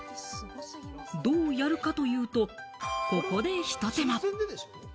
どうやるかというと、ここでひと手間。